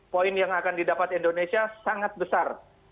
poin yang akan didapat indonesia sangat besar